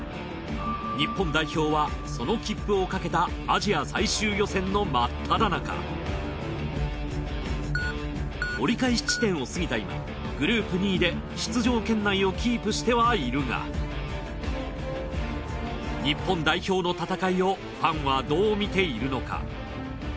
日本代表はその切符をかけたアジア最終予選のまっただ中折り返し地点をすぎた今グループ２位で出場圏内をキープしてはいるが日本代表の戦いをファンはどう見ているのか？